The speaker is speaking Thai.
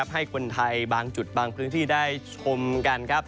ให้คนไทยบางจุดบางพื้นที่ได้ชมกันครับ